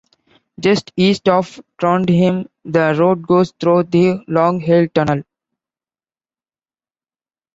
Just east of Trondheim, the road goes through the long Hell Tunnel.